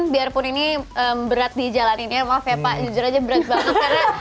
biarpun ini berat di jalaninnya maaf ya pak jujur aja berat banget